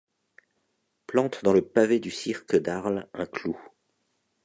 Plante dans le pavé du cirque d’Arle un clou